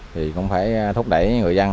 thì cũng phải thúc đẩy người dân